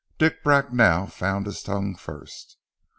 Dick Bracknell found his tongue first.